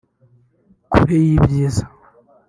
Kure y'ibyiza